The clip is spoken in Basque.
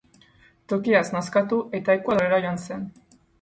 Tokiaz nazkatu eta Ekuadorrera joan zen.